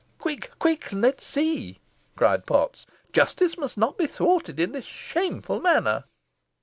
"Quick, quick, and let's see," cried Potts; "justice must not be thwarted in this shameful manner."